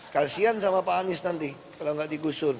kasian sama pak anies nanti kalau nggak digusur